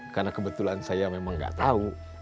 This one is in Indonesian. karena kebetulan saya memang nggak tahu